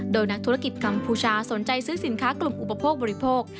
โดยนักธุรกิจกัมพูชาสนใจซื้อสินค้ากลุ่มอุปโภคบริโภค